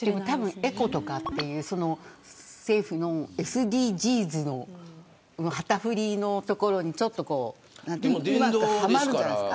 エコとか政府のＳＤＧｓの旗振りのところにうまく、はまるじゃないですか。